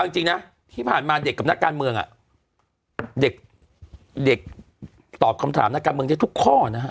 เอาจริงนะที่ผ่านมาเด็กกับนักการเมืองเด็กตอบคำถามนักการเมืองได้ทุกข้อนะฮะ